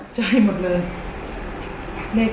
ต่อใจหมดเลย